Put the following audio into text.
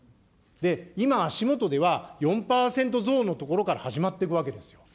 今、足下では、４％増のところから始まってくわけですよ。